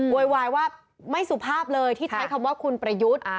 โวยวายว่าไม่สุภาพเลยที่ใช้คำว่าคุณประยุทธ์